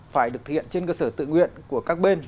phải được thiện trên cơ sở tự nguyện của các bên